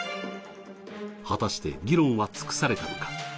果たして議論は尽くされたのか。